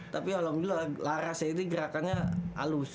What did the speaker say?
tapi alhamdulillah larasnya ini gerakannya alus